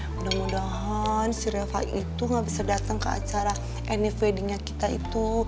mudah mudahan si reva itu nggak bisa datang ke acara any weddingnya kita itu